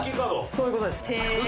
そういうことです。